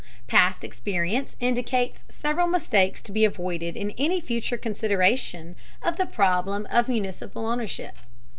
Past experience indicates several mistakes to be avoided in any future consideration of the problem of municipal ownership.